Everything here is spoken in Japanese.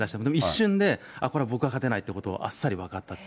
一瞬で、あっ、これは僕が勝てないということをあっさり分かったって。